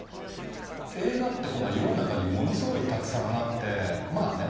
映画ってほら世の中にものすごいたくさんあってまあね